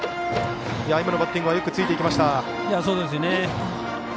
今のバッティングはよくついていきました。